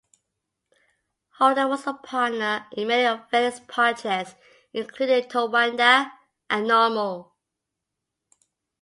Holder was a partner in many of Fell's projects including Towanda and Normal.